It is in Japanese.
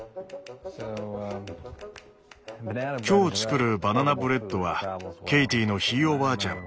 今日作るバナナブレッドはケイティのひいおばあちゃん